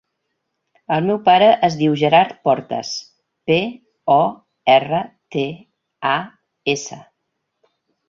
El meu pare es diu Gerard Portas: pe, o, erra, te, a, essa.